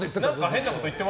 変なこと言うと。